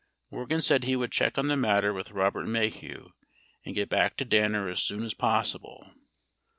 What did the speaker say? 20 Morgan said he would check on the matter with Robert Maheu and get back to Danner as soon as possible.